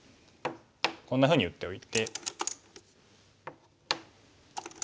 こんなふうに打っておいて。